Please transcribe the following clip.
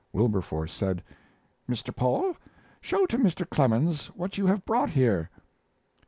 Wilberforce said: "Mr. Pole, show to Mr. Clemens what you have brought here."